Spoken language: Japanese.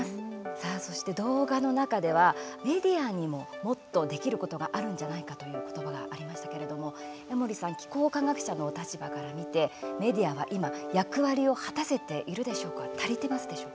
さあ、そして動画の中にはメディアにももっとできることがあるんじゃないかという言葉がありましたけれども、江守さん気候科学者のお立場から見てメディアは今、役割を果たせているでしょうか足りてますでしょうか。